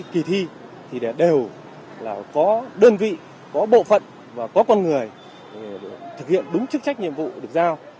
kỳ thi thì đều là có đơn vị có bộ phận và có con người thực hiện đúng chức trách nhiệm vụ được giao